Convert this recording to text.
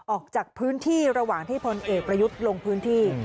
ออกจากพื้นที่ระหว่างที่พลเอกประยุทธ์ลงพื้นที่